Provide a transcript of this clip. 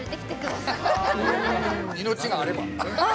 命があれば。